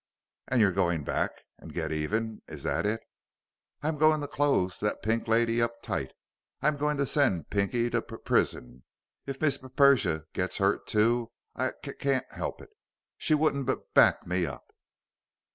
"And you're going back and get even. Is that it?" "I'm going to close that Pink Lady up tight. I'm going to send Pinky to p prison. If Miss P Persia gets hurt, too, I c can't help it. She wouldn't b back me up."